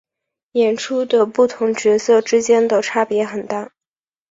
演出的不同角色之间的差别很大。